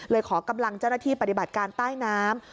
ขอกำลังเจ้าหน้าที่ปฏิบัติการใต้น้ำ